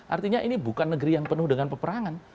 artinya ini bukan negeri yang penuh dengan peperangan